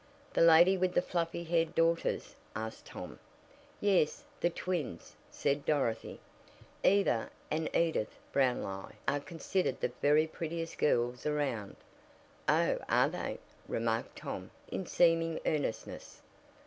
"The lady with the fluffy haired daughters?" asked Tom. "Yes, the twins," said Dorothy. "Eva and Edith Brownlie are considered the very prettiest girls around." "Oh, are they?" remarked Tom in seeming earnestness.